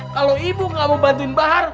kalau ibu nggak mau bantuin bahar